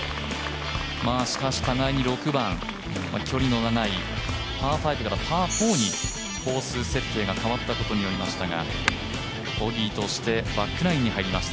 しかし互いに６番、距離の長いパー５からパー４に設定が変わったことがありましたがボギーとしてバック９に入りました。